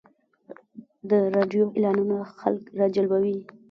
د راډیو اعلانونه خلک راجلبوي.